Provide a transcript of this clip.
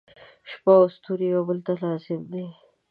• شپه او ستوري یو بل ته لازم دي.